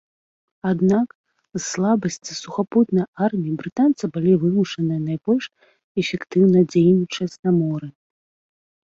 Аднак з-за слабасці сухапутнай арміі брытанцы былі вымушаны найбольш эфектыўна дзейнічаць на моры.